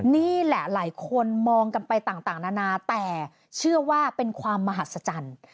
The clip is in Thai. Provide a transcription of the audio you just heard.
นี่แหละหลายคนมองกันไปต่างนานาแต่เชื่อว่าเป็นความมหัศจรรย์